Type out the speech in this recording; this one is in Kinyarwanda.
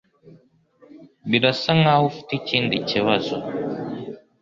Birasa nkaho ufite ikindi kibazo.